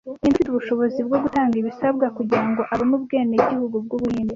Ninde ufite ubushobozi bwo gutanga ibisabwa kugirango abone ubwenegihugu bw'Ubuhinde